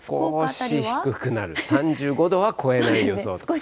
少し低くなる、３５度は超えない予想と。